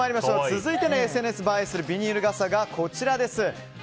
続いてのＳＮＳ映えするビニール傘がこちら。